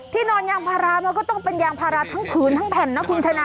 นอนยางพารามันก็ต้องเป็นยางพาราทั้งผืนทั้งแผ่นนะคุณชนะ